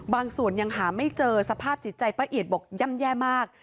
บางส่วนยังหาไม่เจอสภาพจิตใจป้าเอียดบอกย่ำแย่มาก